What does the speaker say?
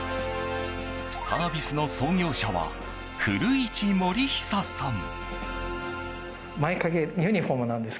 サービスの創業者は古市盛久さん。